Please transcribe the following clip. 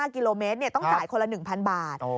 ๕กิโลเมตรต้องจ่ายคนละ๑๐๐บาท